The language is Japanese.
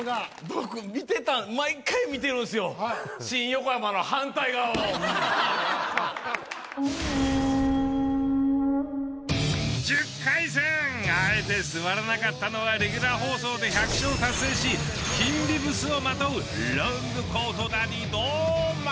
僕見てた１０回戦あえて座らなかったのはレギュラー放送で１００勝を達成し金ビブスをまとうロングコートダディ堂前。